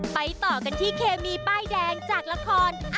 ต่อกันที่เคมีป้ายแดงจากละคร